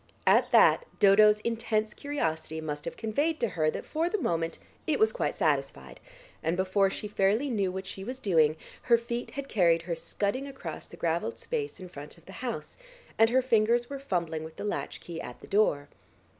At that Dodo's intense curiosity must have conveyed to her that for the moment it was quite satisfied, and before she fairly knew what she was doing, her feet had carried her scudding across the gravelled space in front of the house, and her fingers were fumbling with the latch key at the door.